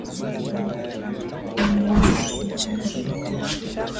Leo hii ni watu zaidi ya milioni wanaojumlishwa kwa jina hili